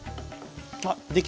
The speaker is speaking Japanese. あっできた。